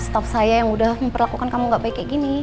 staff saya yang udah memperlakukan kamu gak baik kayak gini